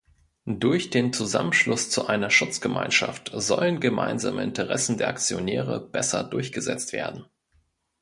Durch den Zusammenschluss zu einer Schutzgemeinschaft sollen gemeinsame Interessen der Aktionäre besser durchgesetzt werden.